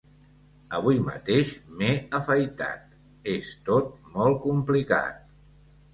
Avui mateix m’he afaitat… És tot molt complicat.